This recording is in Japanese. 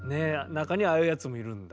中にはああいうやつもいるんだ。